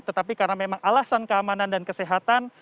tetapi karena memang alasan keamanan dan kesehatan